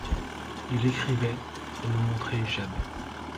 Il écrivait et ne montrait jamais.